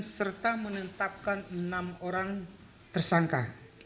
serta menetapkan enam orang tersangka